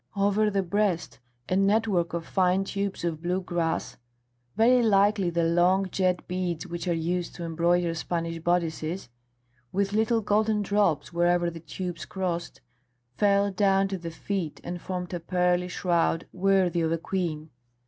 Over the breast a network of fine tubes of blue glass, very like the long jet beads which are used to embroider Spanish bodices, with little golden drops wherever the tubes crossed, fell down to the feet and formed a pearly shroud worthy of a queen.